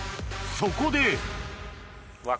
そこであ！